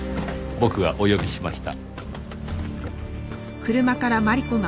僕がお呼びしました。